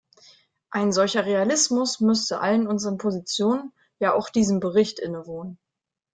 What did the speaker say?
Ein solcher Realismus müsste allen unseren Positionen, ja auch diesem Bericht innewohnen.